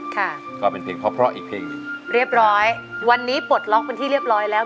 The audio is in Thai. ก็เป็นเพลงเพราะเพราะอีกเพลงหนึ่งเรียบร้อยวันนี้ปลดล็อกเป็นที่เรียบร้อยแล้ว